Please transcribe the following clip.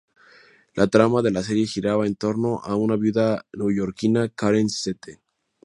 La trama de la serie giraba en torno a una viuda neoyorquina, Karen St.